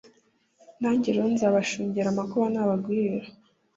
nanjye rero nzabashungera amakuba nabagwirira